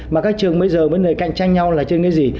mà các trường bây giờ với người cạnh tranh nhau là trên cái gì